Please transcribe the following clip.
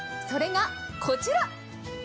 それがこちら。